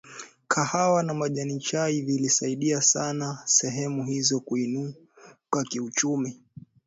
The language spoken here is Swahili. kahawa na majani chai vilisaidia sana sehemu hizo kuinuka kiuchumi